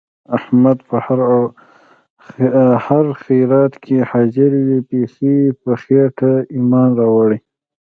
احمد په هر خیرات کې حاضر وي. بیخي یې په خېټه ایمان راوړی.